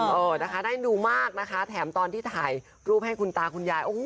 เออนะคะได้ดูมากนะคะแถมตอนที่ถ่ายรูปให้คุณตาคุณยายโอ้โห